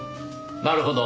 なるほど。